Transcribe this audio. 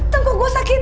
tuh gue sakit